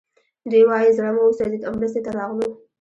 دوی وايي زړه مو وسوځېد او مرستې ته راغلو